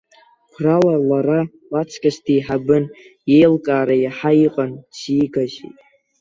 Қәрала лара лаҵкыс деиҳабын, иеилкаара иаҳа иҟан, дзигазеи?